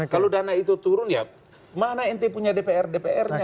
kalau dana itu turun ya mana nt punya dpr dpr nya